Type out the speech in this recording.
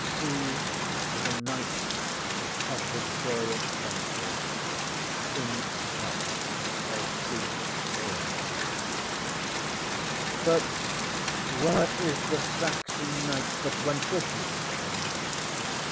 [See ŌĆśThe Knights of the Joyous VentureŌĆÖ in PUCK OF POOKŌĆÖS HILL.] ŌĆśŌĆ£But where is the Saxon knight that went with you? ŌĆØ said Henry.